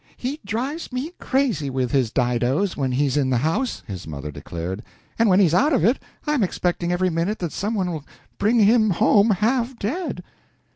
"He drives me crazy with his didoes when he's in the house," his mother declared, "and when he's out of it I'm expecting every minute that some one will bring him home half dead."